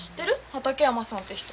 畑山さんって人。